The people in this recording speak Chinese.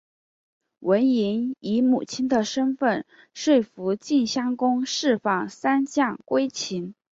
文嬴以母亲的身分说服晋襄公释放三将归秦。